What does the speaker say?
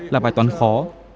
là bài toán khó